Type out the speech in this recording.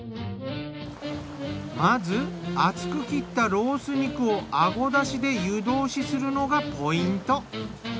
まず厚く切ったロース肉をアゴだしで湯通しするのがポイント。